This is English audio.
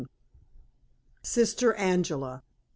SISTER ANGELA.